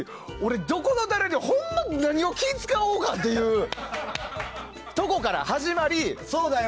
どこの誰にほんま、何に気を使おうかというところから始まり。